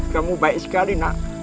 kamu baik sekali nak